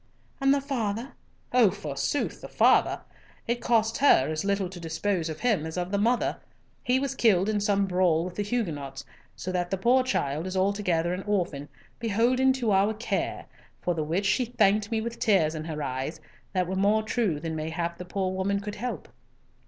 "And the father?" "Oh, forsooth, the father! It cost her as little to dispose of him as of the mother. He was killed in some brawl with the Huguenots; so that the poor child is altogether an orphan, beholden to our care, for which she thanked me with tears in her eyes, that were more true than mayhap the poor woman could help."